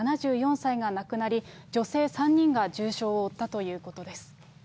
７４歳が亡くなり、女性３人が重傷を負ったということです。